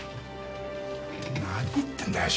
何言ってんだよ！？